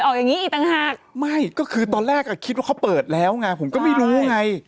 อย่างงี้อีกต่างหากไม่ก็คือตอนแรกอ่ะคิดว่าเขาเปิดแล้วไงผมก็ไม่รู้ไง